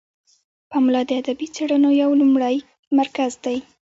پملا د ادبي څیړنو یو لومړی مرکز دی.